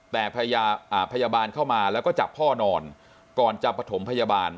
แต่พยาบาลเข้ามาแล้วก็จับพ่อนอนก่อนจะประถมพยาบาล